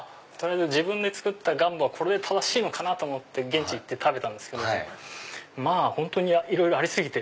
自分で作ったガンボはこれで正しいのかな？と思って現地行って食べたんですけども本当にいろいろあり過ぎて。